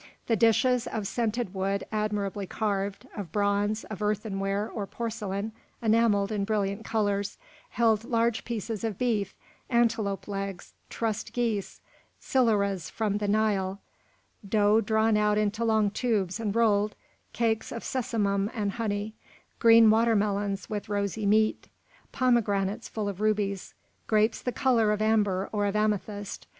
The dishes, of scented wood admirably carved, of bronze, of earthenware or porcelain enamelled in brilliant colours, held large pieces of beef, antelope legs, trussed geese, siluras from the Nile, dough drawn out into long tubes and rolled, cakes of sesamum and honey, green watermelons with rosy meat, pomegranates full of rubies, grapes the colour of amber or of amethyst.